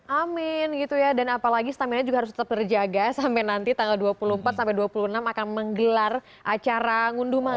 amin gitu ya dan apalagi stamina juga harus tetap terjaga sampai nanti tanggal dua puluh empat sampai dua puluh enam akan menggelar acara ngunduman